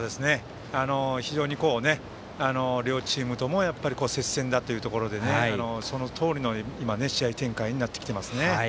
非常に両チームとも接戦だというところでそのとおりの試合展開になってきていますね。